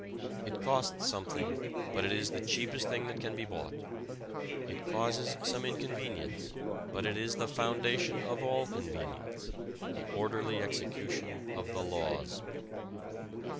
It costs something but it is the cheapest thing that can be bought; it causes some inconvenience but it is the foundation of all convenience, the orderly execution of the laws.